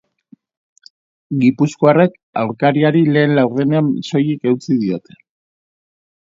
Gipuzkoarrek aurkariari lehen laurdenean soilik eutsi diote.